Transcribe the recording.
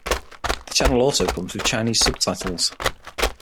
The channel also comes with Chinese subtitles.